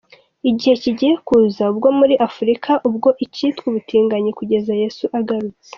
Igihe kigiye kuza ubwo muri Afurika ubwo icyitwa ubutinganyi kugeza Yesu agarutse.